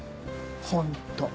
ホント。